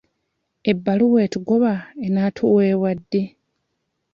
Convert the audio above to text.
Ebbaluwa etugoba enaatuweebwa ddi?